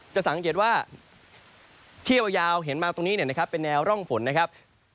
จะสังเกตว่าเที่ยวยาวเห็นมาตรงนี้นะครับเป็นแนวร่องฝนนะครับ